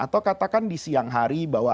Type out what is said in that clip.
atau katakan di siang hari bahwa